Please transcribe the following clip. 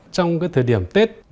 trong cái thời điểm tết